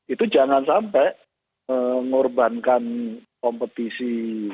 itu jangan sampai mengorbankan kompetisi